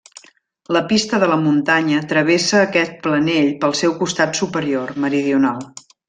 La Pista de la Muntanya travessa aquest planell pel seu costat superior, meridional.